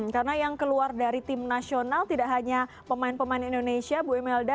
karena yang keluar dari tim nasional tidak hanya pemain pemain indonesia bu imelda